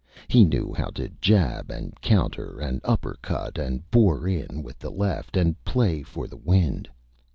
He knew how to Jab and Counter and Upper Cut and Bore in with the Left and Play for the Wind.